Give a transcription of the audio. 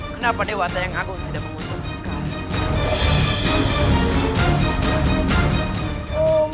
kenapa dewata yang agung tidak menguntungku sekarang